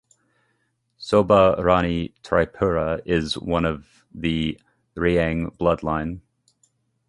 Shobha Rani Tripura is one of the Reang bloodline.